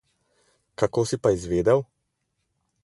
Kako si pa izvedel?